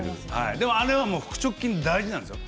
あれは腹直筋、大事なんですよ。